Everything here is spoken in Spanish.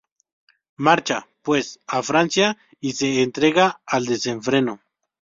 Marcha, pues, a Francia y se entrega al desenfreno.